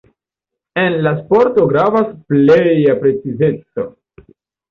En la sporto gravas pleja precizeco.